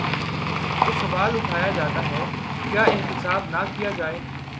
تو سوال اٹھایا جاتا ہے: کیا احتساب نہ کیا جائے؟